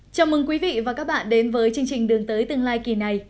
chào mừng quý vị và các bạn đến với chương trình đường tới tương lai kỳ này